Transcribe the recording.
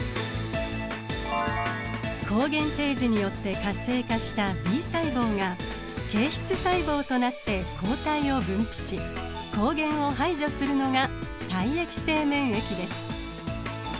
抗原提示によって活性化したＢ細胞が形質細胞となって抗体を分泌し抗原を排除するのが体液性免疫です。